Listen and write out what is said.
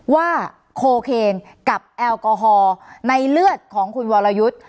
ว่าโคเคนกับแอลกอฮอล์ในเลือดของคุณวรยุทธ์